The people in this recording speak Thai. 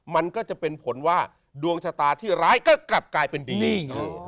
มันก็จะเป็นผลว่าดวงชะตาที่ร้ายก็กลับกลายเป็นดี